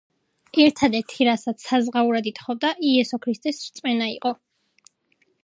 ერთადერთი, რასაც საზღაურად ითხოვდა, იესო ქრისტეს რწმენა იყო.